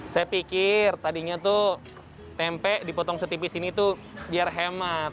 saya pikir tadinya tuh tempe dipotong setipis ini tuh biar hemat